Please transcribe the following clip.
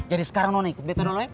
jadi sekarang nona ikut beto dolo ya